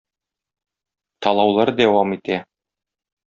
Талаулар дәвам итә.